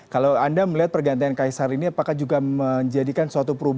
kalau anda melihat pergantian kaisar ini apakah juga menjadikan suatu perubahan